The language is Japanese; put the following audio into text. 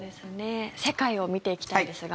世界を見ていきたいんですが